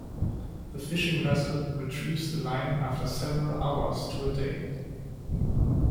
The fishing vessel retrieves the line after several hours to a day.